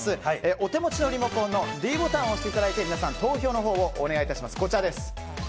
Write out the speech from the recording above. お手持ちのリモコンのｄボタンを押していただいて皆さん投票のほうをお願いします。